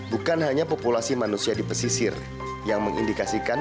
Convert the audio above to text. bukan hanya populasi manusia di pesisir yang mengindikasikan